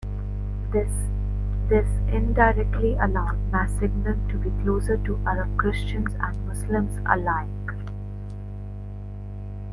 This indirectly allowed Massignon to be closer to Arab Christians and Muslims alike.